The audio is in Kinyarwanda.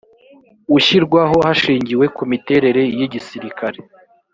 ushyirwaho hashingiwe ku miterere y igisirikare